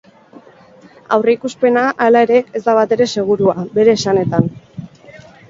Aurrikuspena, hala ere, ez da batere segurua, bere esanetan.